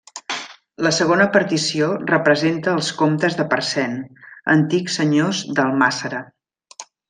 La segona partició representa als comtes de Parcent, antics senyors d'Almàssera.